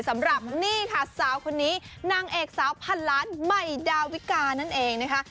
สำหรับนี่ค่ะสาวคนนี้นางเอกสาวพันล้านใหม่ดาวิกานั่นเองนะคะ